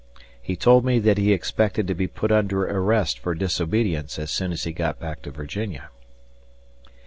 He told me that he had expected to be put under arrest for disobedience as soon as he got back to Virginia.